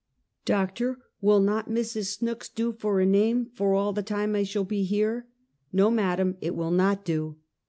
" Doctor, will not Mrs. Snooks do for a name, for all the time I shall be here?" " No, madam, it will not do."